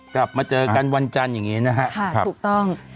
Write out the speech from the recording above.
กลับมาเจอกันวันจันทร์อย่างนี้นะฮะค่ะถูกต้อง